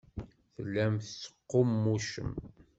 Tellam tettqummucem.